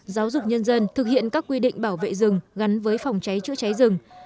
giáo dục nhân dân thực hiện các quy định bảo vệ rừng gắn với phòng cháy chữa cháy rừng